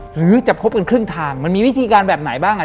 หลังจากนั้นเราไม่ได้คุยกันนะคะเดินเข้าบ้านอืม